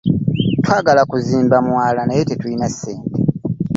Twagala kuzimba mwala naye tetulina ssente.